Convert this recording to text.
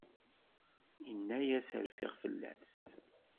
Ini-as rfiɣ fell-as.